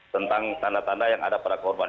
tentang tanda tanda yang ada pada korban